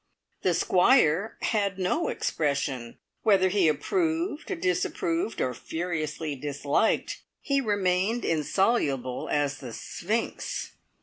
The Squire had no expression! Whether he approved, disapproved, or furiously disliked, he remained insoluble as the Sphinx.